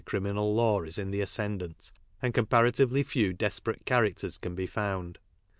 criminal law is in the ascendant, and comparatively i tew desperate characters can be found.